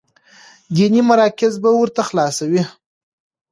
ديني مراکز به ورته خلاصوي،